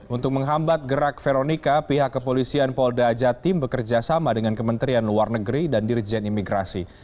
untuk menghambat gerak veronica pihak kepolisian polda jatim bekerja sama dengan kementerian luar negeri dan dirjen imigrasi